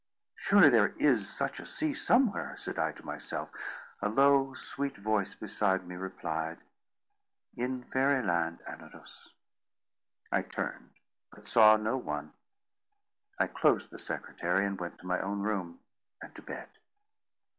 "Surely there is such a sea somewhere!" said I to myself. A low sweet voice beside me replied— "In Fairy Land, Anodos." I turned, but saw no one. I closed the secretary, and went to my own room, and to bed.